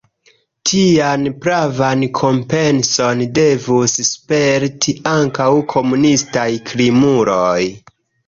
Tian pravan kompenson devus sperti ankaŭ komunistaj krimuloj.